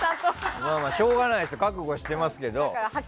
しょうがないですよ覚悟してますけど。